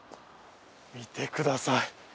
見てください。